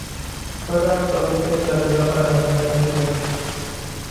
Juega actualmente en la Liga Panameña de Fútbol.